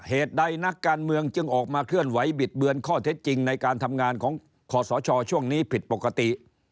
เหตุใดนักการเมืองจึงออกมาเคลื่อนไหวบิดเบือนข้อเท็จจริงในการทำงานของขอสชช่วงนี้ผิดปกติ